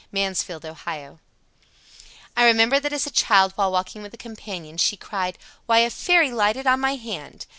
Mansfield, O. 84. "I remember that as a child, while walking with a companion, she cried: 'Why, a fairy lighted on my hand!'